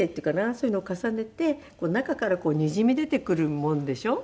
そういうのを重ねて中からこうにじみ出てくるもんでしょ。